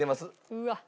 うわっ！